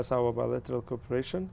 đây là một câu hỏi lớn